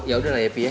yaudah lah ya pi ya